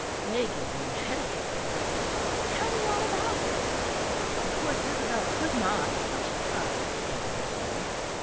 They give me the headache. Tell me all about it." Of course Isabel could not, though she tried again and again.